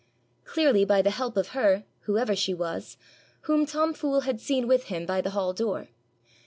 Clearly by the help of her, whoever she was, whom Tom Fool had seen with him by the hall door.